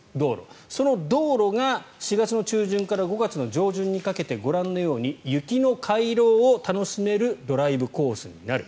その道路が４月の中旬から５月の中旬にかけて雪の回廊を楽しめるドライブコースになる。